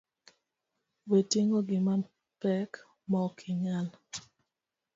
Wekting’o gima pek maok inyal.